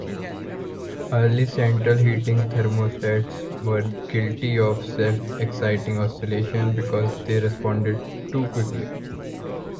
Early central heating thermostats were guilty of self-exciting oscillation because they responded too quickly.